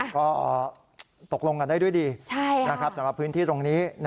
ก็ตกลงกันได้ด้วยดีสำหรับพื้นที่ตรงนี้